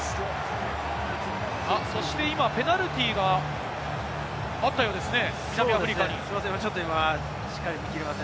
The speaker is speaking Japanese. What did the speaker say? そして、ペナルティーがあったようですね、南アフリカに。